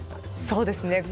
そうですね。